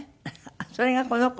それがこの頃？